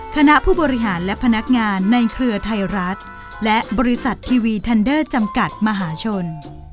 คณะผู้บริหารและพนักงานในเครือไทยรัฐและบริษัททีวีทันเดอร์จำกัดมหาชน